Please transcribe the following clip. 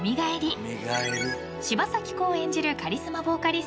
［柴咲コウ演じるカリスマ・ヴォーカリスト